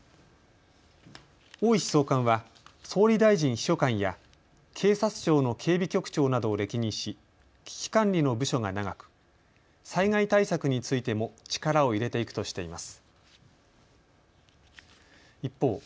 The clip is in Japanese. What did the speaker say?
大石総監は総理大臣秘書官や警察庁の警備局長などを歴任し危機管理の部署が長く災害対策についても力を入れていくとしています。